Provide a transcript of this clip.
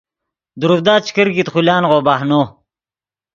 دروڤدا چے کرکیت خو لانغو بہنو